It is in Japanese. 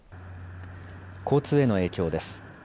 交通への影響です。